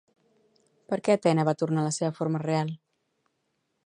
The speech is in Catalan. Per què Atena va tornar a la seva forma real?